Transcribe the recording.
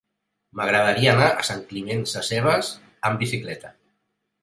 M'agradaria anar a Sant Climent Sescebes amb bicicleta.